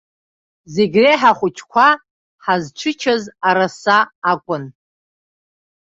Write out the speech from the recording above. Зегьреиҳа ахәыҷқәа ҳазчычаз араса акәын.